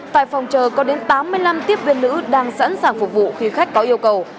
tại phòng chờ có đến tám mươi năm tiếp viên nữ đang sẵn sàng phục vụ khi khách có yêu cầu